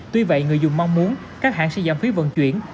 tuy vậy người dùng mong muốn các hãng sẽ giảm phí vận chuyển